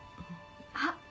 あっ！